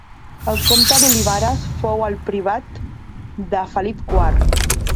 El comte d'Olivares fou el privat de Felip quart.